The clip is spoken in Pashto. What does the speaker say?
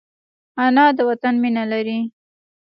انا د وطن مینه لري